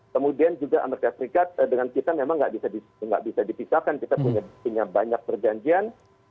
kemudian juga amerika serikat dengan kita memang tidak bisa dipisahkan kita punya banyak perjanjian